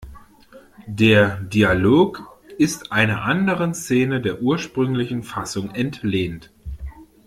Der Dialog ist einer anderen Szene der ursprünglichen Fassung entlehnt.